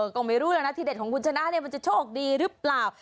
ก็ไม่รู้แล้วนะที่เด็ดของคุณชนะมันจะโชคดีหรือเปล่า